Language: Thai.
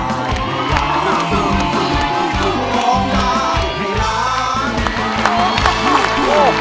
ได้ครับ